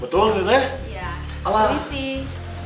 betul nih teh